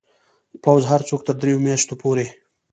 پوځ هر څوک تر دریو میاشتو پورې